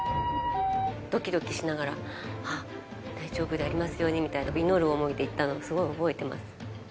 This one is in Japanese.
どきどきしながら、ああ、大丈夫でありますようにみたいな、祈る思いでいたの、すごい覚えてます。